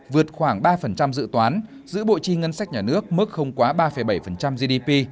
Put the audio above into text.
vượt khoảng ba dự toán giữ bộ chi ngân sách nhà nước mức không quá ba bảy gdp